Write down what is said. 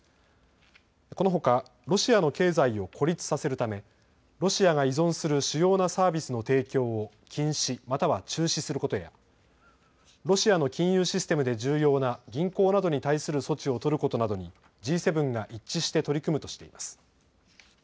このほかロシアの経済を孤立させるためロシアが依存する主要なサービスの提供を禁止、または中止することやロシアの金融システムで重要な銀行などに対する措置を取ることなどにＧ７が一致して取り組むとしています。